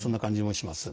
そんな感じもします。